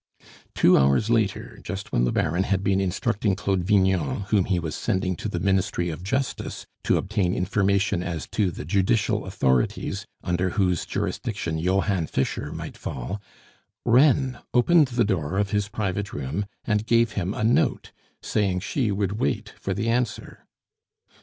Two hours later, just when the Baron had been instructing Claude Vignon, whom he was sending to the Ministry of Justice to obtain information as to the judicial authorities under whose jurisdiction Johann Fischer might fall, Reine opened the door of his private room and gave him a note, saying she would wait for the answer.